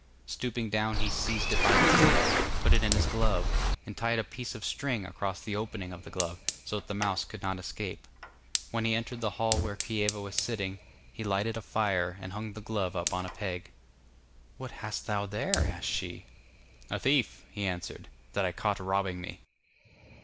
Stooping down he seized it by the tail, and put it in his glove, and tied a piece of string across the opening of the glove, so that the mouse could not escape. When he entered the hall where Kieva was sitting, he lighted a fire, and hung the glove up on a peg. 'What hast thou there?' asked she. 'A thief,' he answered, 'that I caught robbing me.